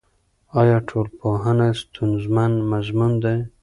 آیا ټولنپوهنه ستونزمن مضمون دی؟